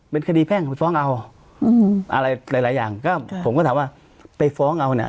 เป็นคดีแภงฟ้องเอาอืมอะไรหลายหลายอย่างก็ไปฟ้องเอาเนี่ย